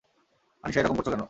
আনিশা এরকম করছো কেন?